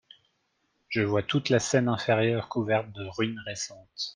Je vois toute la Seine-Inférieure couverte de ruines récentes.